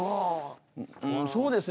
うんそうですね